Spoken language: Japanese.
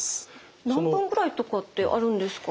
何分くらいとかってあるんですか？